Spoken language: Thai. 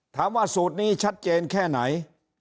ถามว่าสูตรนี้ชัดเจนแค่ไหน